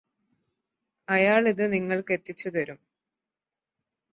അയാളിത് നിങ്ങൾക്ക് എത്തിച്ച് തരും